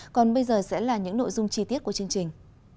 còn bây giờ sẽ là những nội dung chi tiết của chương trình